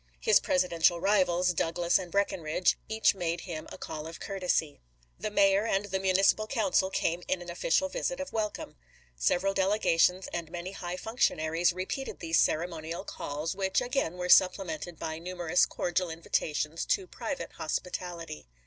His Presidential rivals, Douglas and pp. 336, 337. Breckinridge, each made him a call of courtesy. 318 ABEAHAM LINCOLN chap. xxi. The mayor and the municipal council came in an official visit of welcome. Several delegations and many high functionaries repeated these ceremonial calls, which again were supplemented by numerous cordial invitations to private hospitality.